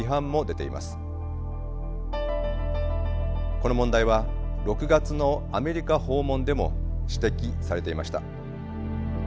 この問題は６月のアメリカ訪問でも指摘されていました。